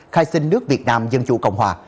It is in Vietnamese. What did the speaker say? khai sinh nước việt nam dân chủ cộng hòa